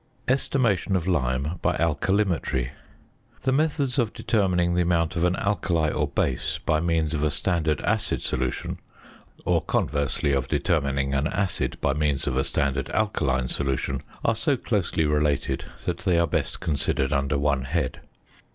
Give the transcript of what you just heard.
~Estimation of Lime by Alkalimetry.~ The methods of determining the amount of an alkali or base by means of a standard acid solution, or, conversely, of determining an acid by means of a standard alkaline solution, are so closely related that they are best considered under one head.